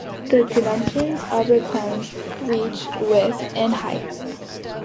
The dimensions of the cones reach width and height.